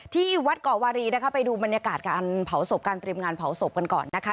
ที่วัดเกาะวารีนะคะไปดูบรรยากาศการเผาศพการเตรียมงานเผาศพกันก่อนนะคะ